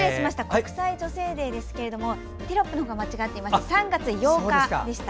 国際女性デーですけれどもテロップが間違っていまして３月８日でした。